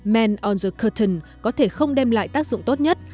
men on the curtain có thể không đem lại tác dụng tốt nhất